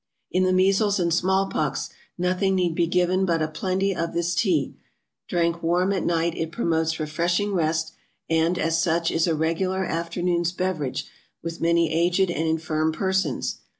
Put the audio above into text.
In the Measles and Small Pox, nothing need be given but a plenty of this Tea; drank warm at Night it promotes refreshing rest, and, as such, is a regular afternoon's beverage with many aged and infirm Persons.